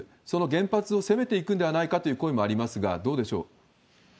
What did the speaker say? その原発を攻めていくのではないかという声もありますが、どうでしょう？